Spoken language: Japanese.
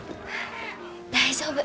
大丈夫。